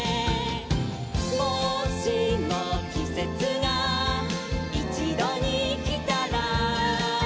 「もしもきせつがいちどにきたら」